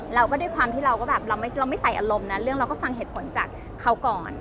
แล้วก็ด้วยความที่เราก็แบบเราไม่ใส่อารมณ์นะเรื่องเราก็ฟังเหตุผลจากเขาก่อน